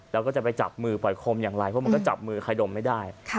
แล้วก็จะไปจับมือปล่อยคมอย่างไรเพราะมันก็จับมือใครดมไม่ได้